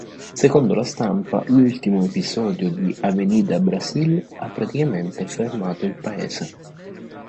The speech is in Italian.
Secondo la stampa, l'ultimo episodio di "Avenida Brasil" ha praticamente fermato il paese.